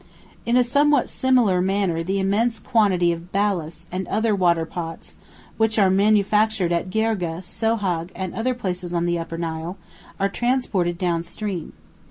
In a somewhat similar manner the immense quantity of balass and other water pots, which are manufactured at Girgeh, Sohag, and other places on the Upper Nile, are transported down stream.